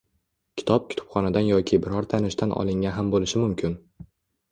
Kitob kutubxonadan yoki biror tanishdan olingan ham boʻlishi mumkin